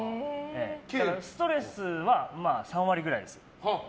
ストレスは３割ぐらいです。